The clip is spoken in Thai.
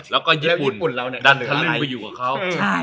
แล้วก็ญี่ปุ่นเราดันทะลุไปอยู่กับเขา